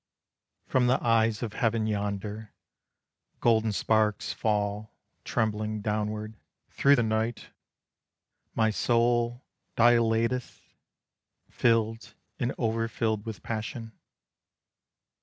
From the eyes of heaven yonder, Golden sparks fall trembling downward, Through the night. My soul dilateth, Filled and overfilled with passion.